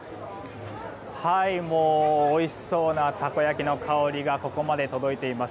おいしそうなたこ焼きの香りが届いています。